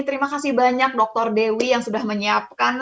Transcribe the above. terima kasih banyak dokter dewi yang sudah menyiapkan